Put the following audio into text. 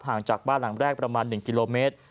จากบ้านหลังแรกประมาณ๑กิโลเมตร